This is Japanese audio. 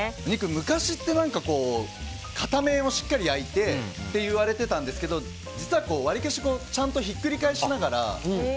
昔って、片面をしっかり焼いてっていわれてたんですけど実は割とちゃんとひっくり返しながら。